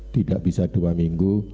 tidak bisa dua minggu